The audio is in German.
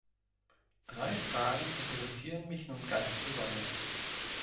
Drei Fragen interessieren mich nun ganz besonders.